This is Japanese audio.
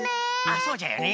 あそうじゃよね。